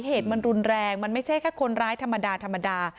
เหตุมันรุนแรงมันไม่ใช่แค่คนร้ายธรรมดาธรรมดา